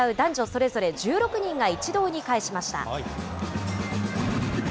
それぞれ１６人が一堂に会しました。